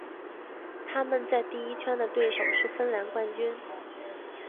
他们在第一圈的对手是芬兰冠军。